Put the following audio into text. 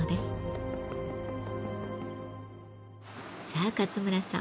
さあ勝村さん